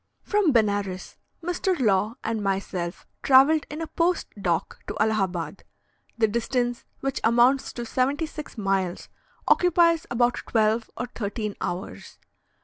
From Benares, Mr. Law and myself travelled in a post dock to Allahabad. The distance, which amounts to seventy six miles, occupies about twelve or thirteen hours.